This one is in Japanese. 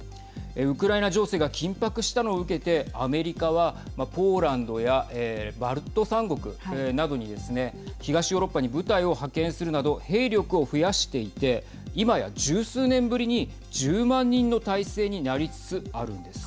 ウクライナ情勢が緊迫したのを受けてアメリカはポーランドやバルト３国などにですね東ヨーロッパに部隊を派遣するなど兵力を増やしていて今や十数年ぶりに１０万人の態勢になりつつあるんです。